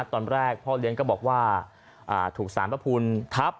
ตอนแรกพ่อเลี้ยงก็บอกว่าถูกสารพระภูมิทับ